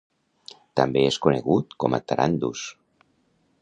També es conegut com Tarandus.